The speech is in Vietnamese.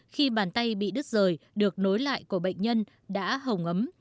khi bàn tay bị đứt rời được nối lại của bệnh nhân đã hồng ấm